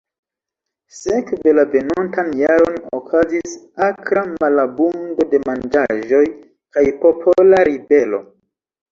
Sekve la venontan jaron okazis akra malabundo de manĝaĵoj kaj popola ribelo.